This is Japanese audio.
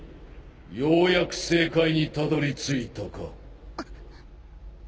ようやく正解にたどりついたか。